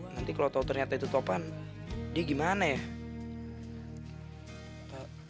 nanti kalau ternyata itu topan dia gimana ya